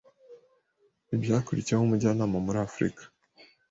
Ibyakurikiyeho nk'umujyanama muri Afurika